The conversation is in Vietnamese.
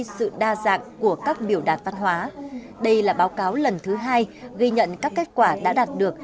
sự đa dạng của các biểu đạt văn hóa đây là báo cáo lần thứ hai ghi nhận các kết quả đã đạt được